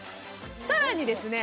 さらにですね